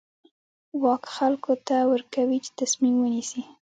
واک خلکو ته ورکوي چې تصمیم ونیسي.